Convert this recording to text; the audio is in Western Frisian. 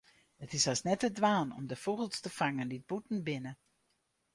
It is hast net te dwaan om de fûgels te fangen dy't bûten binne.